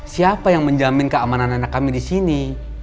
siapa yang menjamin keamanan anak kami di sini